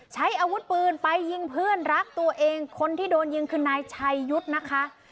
ใช้อาวุธปืนไปยิงเพื่อนรักตัวเองคนที่โดนยิงคือนายชัยยุทธ์นะคะ